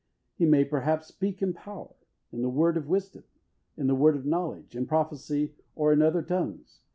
He may perhaps speak in power, in the word of wisdom, in the word of knowledge, in prophecy, or in other tongues.